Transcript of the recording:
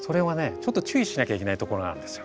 ちょっと注意しなきゃいけないところがあるんですよ。